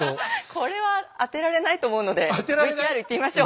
これは当てられないと思うのでＶＴＲいってみましょう。